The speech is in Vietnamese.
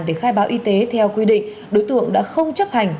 để khai báo y tế theo quy định đối tượng đã không chấp hành